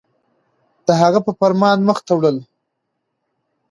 د هغه په فرمان مخ ته وړله